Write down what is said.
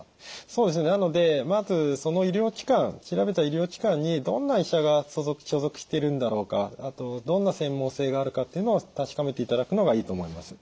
そうですねなのでまずその調べた医療機関にどんな医者が所属しているんだろうかあとどんな専門性があるかっていうのを確かめていただくのがいいと思います。